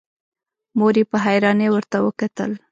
مور يې په حيرانی ورته وکتل.